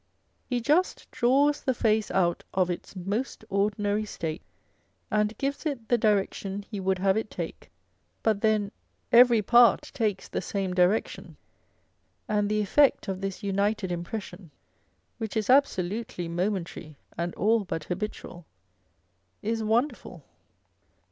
He just draws the face out of its most ordinary state, and gives it the direction he would have it take ; but then every part takes the same direction, and the effect of this united impression (which is absolutely momentary and all but habitual) is wonderful.